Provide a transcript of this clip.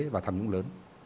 và tham nhũng lớn